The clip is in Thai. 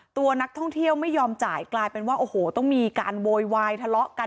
ตัวนักท่องเที่ยวไม่ยอมจ่ายกลายเป็นว่าโอ้โหต้องมีการโวยวายทะเลาะกัน